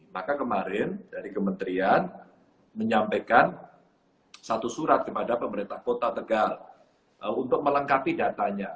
maka kemarin dari kementerian menyampaikan satu surat kepada pemerintah kota tegal untuk melengkapi datanya